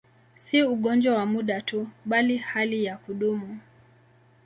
Si ugonjwa wa muda tu, bali hali ya kudumu.